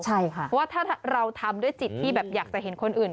ใช่ค่ะเพราะว่าถ้าเราทำด้วยจิตที่แบบอยากจะเห็นคนอื่น